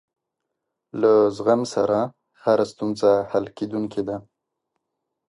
له زغم سره هره ستونزه حل کېدونکې ده.